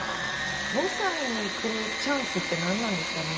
５歳に来るチャンスって何なんですかね。